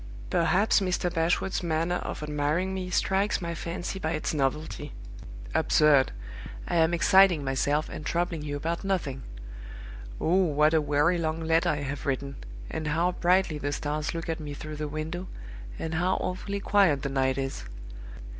Perhaps Mr. Bashwood's manner of admiring me strikes my fancy by its novelty. Absurd! I am exciting myself, and troubling you about nothing. Oh, what a weary, long letter I have written! and how brightly the stars look at me through the window, and how awfully quiet the night is!